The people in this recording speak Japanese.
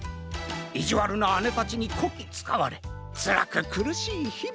いじわるなあねたちにこきつかわれつらくくるしいひび。